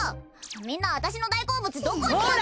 みんな私の大好物どこにやっ。